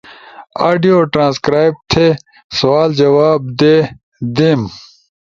آڈیو ٹرانسکرائب تھے، سوال جواب دے، دیم